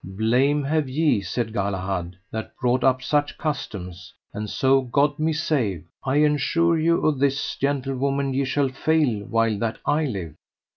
Blame have ye, said Galahad, that brought up such customs, and so God me save, I ensure you of this gentlewoman ye shall fail while that I live.